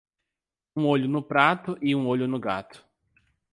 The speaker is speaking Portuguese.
Um olho no prato e um olho no gato.